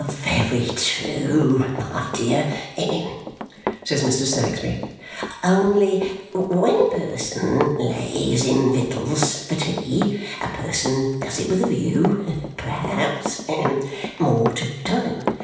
"Very true, my dear," says Mr. Snagsby. "Only when a person lays in victuals for tea, a person does it with a view perhaps more to time.